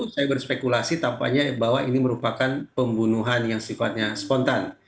saya berspekulasi tampaknya bahwa ini merupakan pembunuhan yang sifatnya spontan